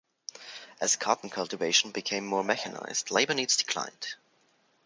As cotton cultivation became more mechanized, labor needs declined.